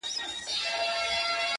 جهاني ماته مي نیکونو په سبق ښودلي؛